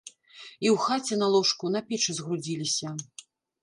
І ў хаце на ложку, на печы згрудзіліся.